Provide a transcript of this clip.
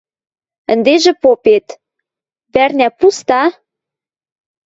«Ӹндежӹ попет! Вӓрнӓ пуста?